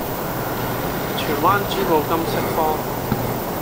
荃灣珠寶金飾坊